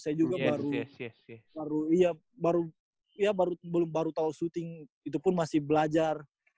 saya juga baru tau shooting itu pun masih belajar